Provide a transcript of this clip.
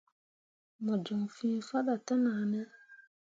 Mo joŋ fĩĩ faɗa tenahne.